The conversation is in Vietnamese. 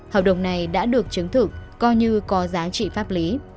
hợp đồng này đã được chứng thực coi như có giá trị pháp lý